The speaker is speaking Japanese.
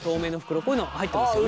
こういうの入ってますよね。